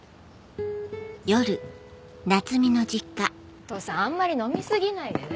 お父さんあんまり飲み過ぎないでね。